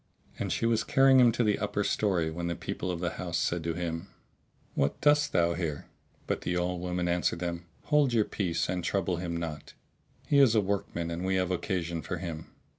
And she was carrying him to the upper story when the people of the house said to him, "What dost thou here?" But the old woman answered them, "Hold your peace and trouble him not: he is a workman and we have occasion for him."